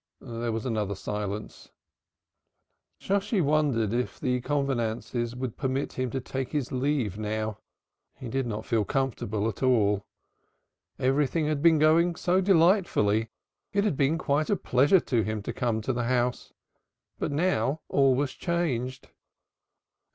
There was another silence. Shosshi wondered whether the convenances would permit him to take his leave now. He did not feel comfortable at all. Everything had been going so delightfully, it had been quite a pleasure to him to come to the house. But now all was changed.